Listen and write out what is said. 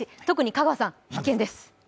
特に香川さん、必見です。